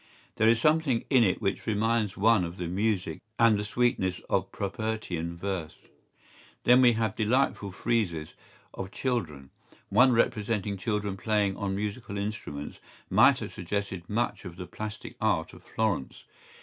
¬Ý There is something in it which reminds one of the music and the sweetness of Propertian verse.¬Ý Then we have delightful friezes of children.¬Ý One representing children playing on musical instruments might have suggested much of the plastic art of Florence.